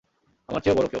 আমার চেয়েও বড়ো কেউ।